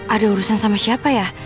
ada urusan sama siapa ya